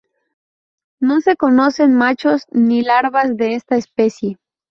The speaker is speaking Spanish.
No se conocen machos ni larvas de esta especie.